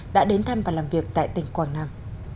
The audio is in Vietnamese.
đã đến thăm và làm việc tại tỉnh quảng nam